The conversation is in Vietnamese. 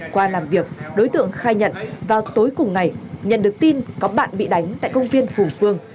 qua làm việc đối tượng khai nhận vào tối cùng ngày nhận được tin có bạn bị đánh tại công viên hùng phương